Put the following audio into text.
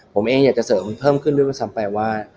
ผมเองอยากจะเสริมเพิ่มขึ้นด้วยซ้ำไปว่า